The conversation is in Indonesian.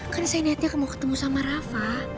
kan saya niatnya kamu ketemu sama rafa